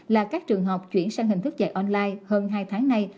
là các trường học chuyển sang hình thức dạy online hơn hai tháng nay